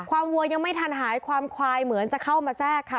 วัวยังไม่ทันหายความควายเหมือนจะเข้ามาแทรกค่ะ